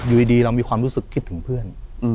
อยู่ดีเรามีความรู้สึกคิดถึงเพื่อน